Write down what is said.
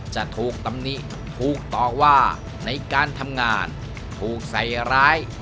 จะถูกตำหนิถูกต่อว่าในการทำงานถูกใส่ร้าย